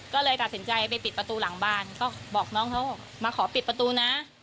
ก็เลยตัดสินใจไปปิดประตูหลังบ้านก็บอกน้องเขามาขอปิดประตูนะ